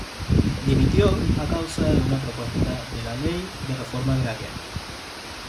Dimitió a causa de una propuesta de la Ley de Reforma Agraria.